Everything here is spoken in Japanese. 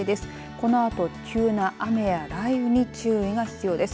この急な雨や雷雨に注意が必要です。